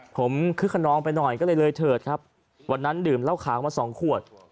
ผมคึกขนองไปหน่อยก็เลยเลยเถิดครับวันนั้นดื่มเหล้าขาวมาสองขวด